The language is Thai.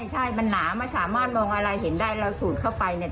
ใช่มันหนาไม่สามารถมองอะไรเห็นได้เราสูดเข้าไปเนี่ย